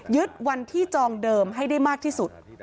วันที่จองเดิมให้ได้มากที่สุด